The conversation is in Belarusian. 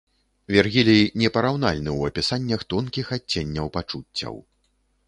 Вергілій непараўнальны ў апісаннях тонкіх адценняў пачуццяў.